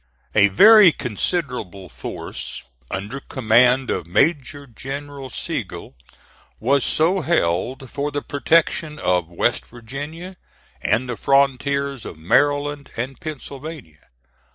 A very considerable force, under command of Major General Sigel, was so held for the protection of West Virginia, and the frontiers of Maryland and Pennsylvania.